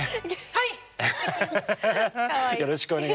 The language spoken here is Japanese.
はい！